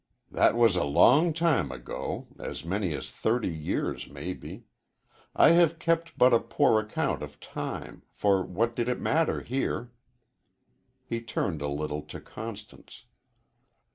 "That was a long time ago as many as thirty years, maybe. I have kept but a poor account of time, for what did it matter here?" He turned a little to Constance.